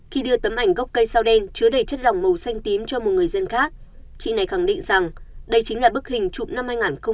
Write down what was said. khi đưa tấm ảnh gốc cây sao đen chứa đầy chất lỏng màu xanh tím cho một người dân khác chị này khẳng định rằng đây chính là bức hình trụm năm hai nghìn một mươi tám